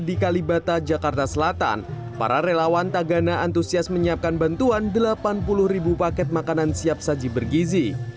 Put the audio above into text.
di kalibata jakarta selatan para relawan tagana antusias menyiapkan bantuan delapan puluh ribu paket makanan siap saji bergizi